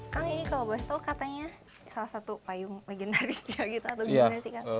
kang ini kalau boleh tau katanya salah satu payung legendaris juga gitu atau gimana sih kak